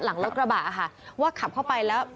หลังรถกระบะค่ะว่าขับเข้าไปแล้ว